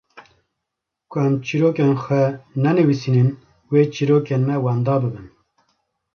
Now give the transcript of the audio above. ku em çîrokên xwe nenivîsînin wê çîrokên me wenda bibin.